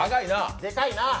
でかいな。